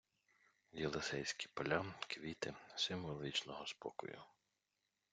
Єлісейські поля, квіти — символ вічного спокою